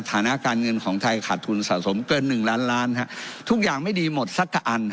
ฐานะการเงินของไทยขาดทุนสะสมเกิน๑ล้านล้านทุกอย่างไม่ดีหมดสักกะอัน